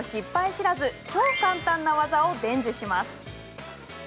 知らず超簡単な技を伝授します。